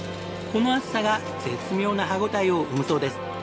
この厚さが絶妙な歯応えを生むそうです。